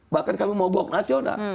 bahkan kami mau gok nasional